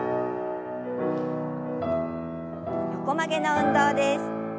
横曲げの運動です。